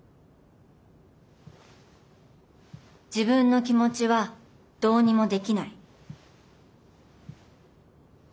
自分の気持ちはどうにもできない。